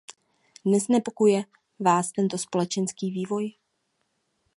Neznepokojuje vás tento společenský vývoj?